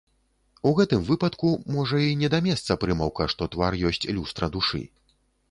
У гэтым выпадку можа і не да месца прымаўка, што твар ёсць люстра душы.